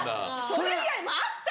それ以外もあったよ！